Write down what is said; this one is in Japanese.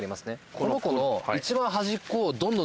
この子の。